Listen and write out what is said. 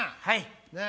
はい。